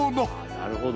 なるほど。